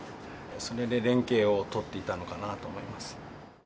それで連携を取っていたのかなと思います。